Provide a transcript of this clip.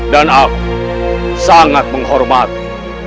dan aku sangat menghormati